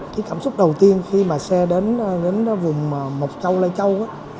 cái cảm xúc đầu tiên khi mà xe đến vùng mộc châu lây châu